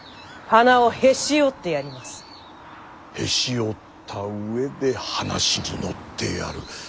へし折った上で話に乗ってやる。